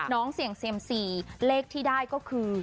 เสี่ยงเซียมซีเลขที่ได้ก็คือ